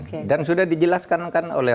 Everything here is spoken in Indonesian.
oke dan sudah dijelaskan kan oleh